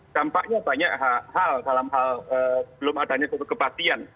tampaknya banyak hal dalam hal belum adanya kekepatian